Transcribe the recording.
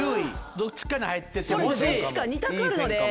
どっちかに入ってそう？